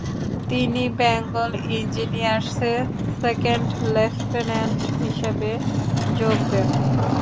তিনি বেঙ্গল ইঞ্জিনিয়ার্সে second lieutenant হিসেবে যোগ দেন।